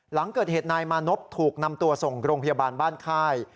หลังเกิดเหตุนายมานพถูกนำตัวส่งโรงพยาบาลบ้านค่าย